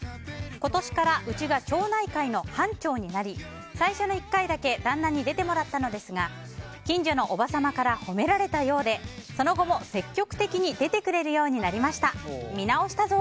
今年からうちが町内会の班長になり最初の１回だけ旦那に出てもらったのですが近所のおばさまから褒められたようでその後も積極的に出てくれるようになりました。